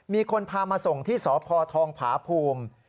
มีคนพามาส่งที่สภภาภูมิ